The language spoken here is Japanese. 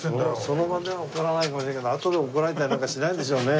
その場では怒らないかもしれないけどあとで怒られたりなんかしないでしょうね？